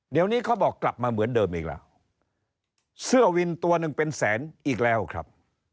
เดี๋ยวนี้เขาบอกกลับมาเหมือนเดิมอีกล่ะเสื้อวินตัวหนึ่งเป็นแสนอีกแล้วครับ